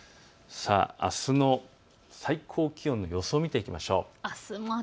あすの最高気温の予想を見ていきましょう。